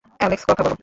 Alex, কথা বলো!